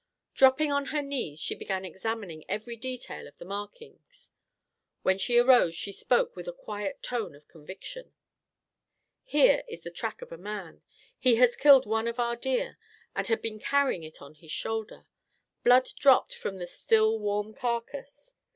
Dropping on her knees, she began examining every detail of the markings. When she arose she spoke with a quiet tone of conviction: "This is the track of a man. He has killed one of our deer and had been carrying it on his shoulder. Blood dropped from the still warm carcass.